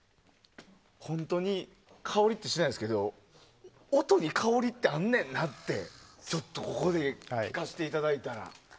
本当に香りってしないですけど音に香りってあんねんなってここで聴かせていただいたら。